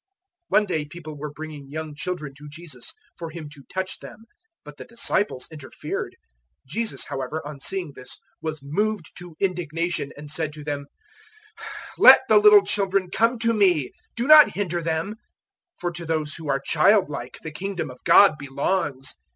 010:013 One day people were bringing young children to Jesus for Him to touch them, but the disciples interfered. 010:014 Jesus, however, on seeing this, was moved to indignation, and said to them, "Let the little children come to me: do not hinder them; for to those who are childlike the Kingdom of God belongs.